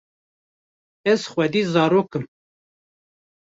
ez xwedî zarok im